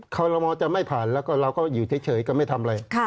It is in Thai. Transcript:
คอลโลมอลจะไม่ผ่านแล้วก็เราก็อยู่เฉยก็ไม่ทำอะไร